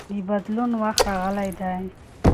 د بدلون وخت راغلی دی.